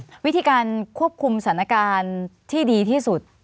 วิธีการควบคุมสถานการณ์ที่ดีที่สุด